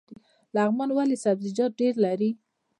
لغمان ولې سبزیجات ډیر لري؟